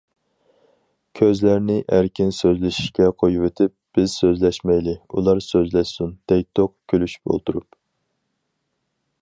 كۆزلەرنى ئەركىن سۆزلىشىشكە قويۇۋېتىپ، بىز سۆزلەشمەيلى ئۇلار سۆزلەشسۇن، دەيتتۇق كۈلۈشۈپ ئولتۇرۇپ.